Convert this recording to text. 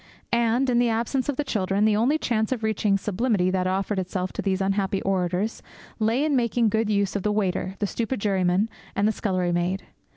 And, in the absence of the children, the only chance of reaching sublimity that offered itself to these unhappy orators lay in making good use of the waiter, the stupid juryman, and the scullery maid.